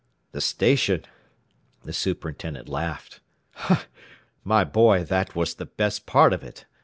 "The station?" The superintendent laughed. "My boy, that was the best part of it.